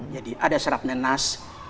jadi ada serat nenas